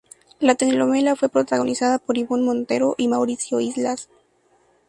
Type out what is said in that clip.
La telenovela fue protagonizada por Ivonne Montero y Mauricio Islas.